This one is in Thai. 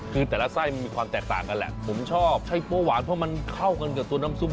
คือแต่ละไส้มันมีความแตกต่างกันแหละผมชอบใช้โป้หวานเพราะมันเข้ากันกับตัวน้ำซุป